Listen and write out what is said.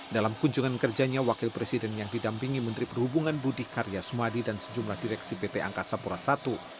dalam kunjungan kerjanya wakil presiden yang didampingi menteri perhubungan budi karya sumadi dan sejumlah direksi pt angkasa pura i